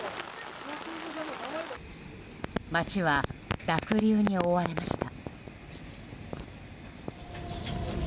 街は、濁流に覆われました。